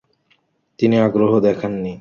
তিনি আগ্রহ দেখান নি।